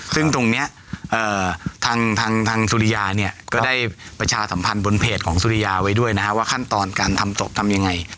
ซึ่งตรงนี้ทางสุริยาเนี่ยก็ได้ประชาสัมพันธ์บนเพจของสุริยาไว้ด้วยนะฮะว่าขั้นตอนการทำศพทำยังไง